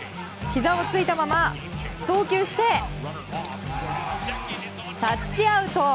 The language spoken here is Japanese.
ひざをついたまま送球してタッチアウト。